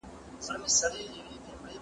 سالم خوراک اشتها منظموي.